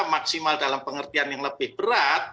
maksimal dalam pengertian yang lebih berat